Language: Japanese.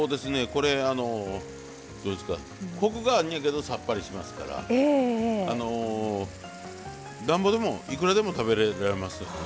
これコクがあんねやけどさっぱりしますからなんぼでもいくらでも食べられますよね。